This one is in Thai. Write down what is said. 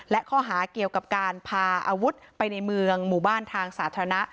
และข้อหาเกี่ยวกับการพาอาวุธไปในเมืองหมู่บ้านทางสาธารณะ